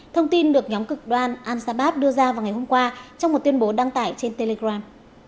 thông tin được nhóm cực đoan al sabab đưa ra vào ngày hôm qua trong một tuyên bố đăng tải trên telegram